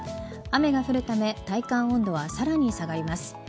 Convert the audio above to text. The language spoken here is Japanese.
雨が降るため体感温度はさらに下がります。